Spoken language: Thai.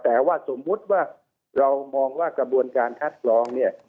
แต่ว่าสมมุติว่าเรามองว่ากระบวนการคัดกรองเนี่ย